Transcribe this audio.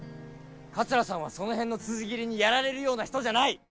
「桂さんはその辺の辻斬りにやられるような人じゃない！」